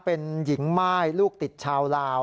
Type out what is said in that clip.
เป็นหญิงม่ายลูกติดชาวลาว